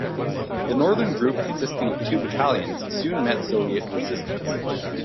The northern group consisting of two battalions soon met Soviet resistance.